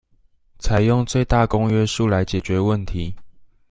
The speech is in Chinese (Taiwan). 採用最大公約數來解決問題